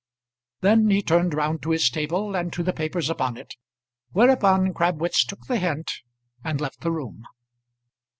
Then he turned round to his table, and to the papers upon it; whereupon, Crabwitz took the hint, and left the room.